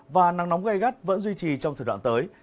và nắng nóng gây gắt vẫn duy trì trong thời đoạn tới